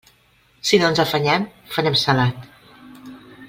Si no ens afanyem, farem salat.